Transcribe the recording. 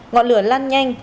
ngọn lửa lan nhanh